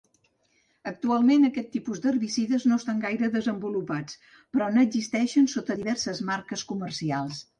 Actualment aquest tipus d'herbicides no estan gaire desenvolupats però n'existeixen sota diverses marques comercials.